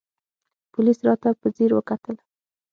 پوليس راته په ځير وکتل.